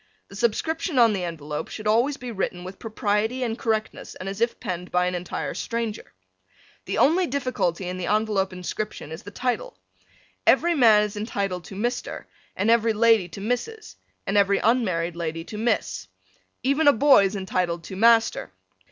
The subscription on the envelope should be always written with propriety and correctness and as if penned by an entire stranger. The only difficulty in the envelope inscription is the title. Every man is entitled to Mr. and every lady to Mrs. and every unmarried lady to Miss. Even a boy is entitled to Master.